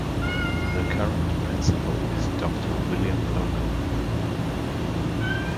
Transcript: The current Principal is Doctor William Logan.